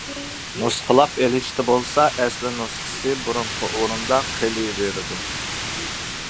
نۇسخىلاپ ئېلىشتا بولسا ئەسلى نۇسخىسى بۇرۇنقى ئورۇندا قېلىۋېرىدۇ.